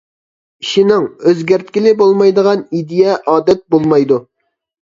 ئىشىنىڭ، ئۆزگەرتكىلى بولمايدىغان ئىدىيە، ئادەت بولمايدۇ.